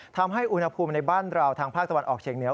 ทำให้อุณหภูมิในบ้านเราทางภาคตะวันออกเฉีย